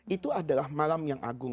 itu adalah malam yang agung